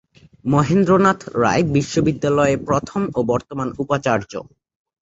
মহেন্দ্র নাথ রায় বিশ্ববিদ্যালয়ে প্রথম ও বর্তমান উপাচার্য।